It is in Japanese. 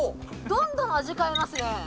どんどん味変えますね。